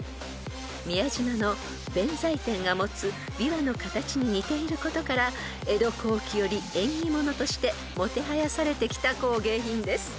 ［宮島の弁財天が持つ琵琶の形に似ていることから江戸後期より縁起物としてもてはやされてきた工芸品です］